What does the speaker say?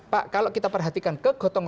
pak kalau kita perhatikan kegotong